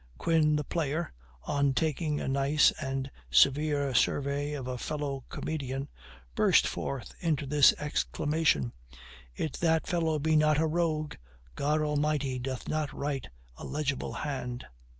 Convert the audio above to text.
Quin the player, on taking a nice and severe survey of a fellow comedian, burst forth into this exclamation: "If that fellow be not a rogue, God Almighty doth not write a legible hand."